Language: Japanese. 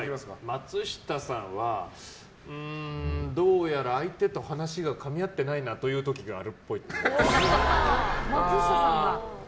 松下さんはどうやら相手と話がかみ合ってないなという時があるっぽい。